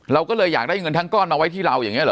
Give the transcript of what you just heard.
เราก็เลยอยากได้เงินทั้งก้อนมาไว้ที่เราอย่างนี้หรอ